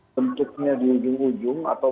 bentuknya di ujung ujung atau